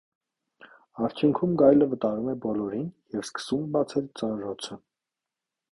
Արդյունքում գայլը վտարում է բոլորին և սկսում բացել ծանրոցը։